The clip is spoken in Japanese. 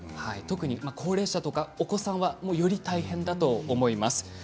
高齢者やお子さんはより大変だと思います。